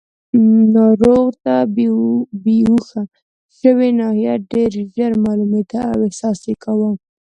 ناروغ ته بېهوښه شوې ناحیه ډېر ژر معلومېده او احساس یې کاوه.